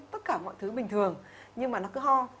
tất cả mọi thứ bình thường nhưng mà nó cứ ho